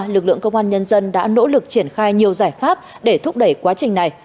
lực lượng công an nhân dân đã nỗ lực triển khai nhiều giải pháp để thúc đẩy quá trình này